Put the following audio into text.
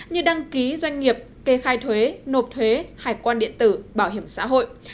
như đăng ký doanh nghiệp kê khai thuế nộp thuế hải quan điện tử bảo hiểm xã hội